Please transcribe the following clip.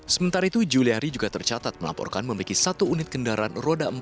sementara itu juliari juga tercatat melaporkan memiliki satu unit kendaraan roda empat